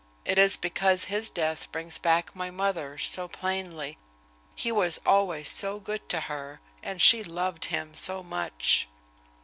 It is because his death brings back my mother's so plainly. He was always so good to her, and she loved him so much."